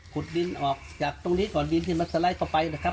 ดินออกจากตรงนี้ก่อนดินที่มันสไลด์เข้าไปนะครับ